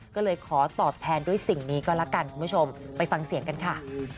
ก็เลยขอตอบแทนด้วยสิ่งนี้ก็ละกันคุณผู้ชมไปฟังเสียงกันค่ะ